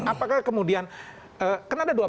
apakah kemudian kan ada dua